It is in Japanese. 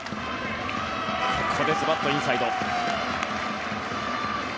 ここでズバッとインサイド。